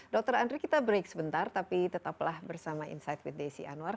dr andri kita break sebentar tapi tetaplah bersama insight with desi anwar